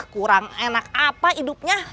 kurang enak apa hidupnya